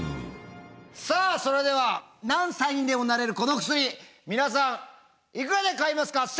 さあそれでは何歳にでもなれるこの薬皆さんいくらで買いますか？